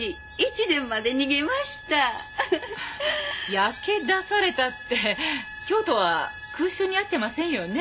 焼け出されたって京都は空襲に遭ってませんよね？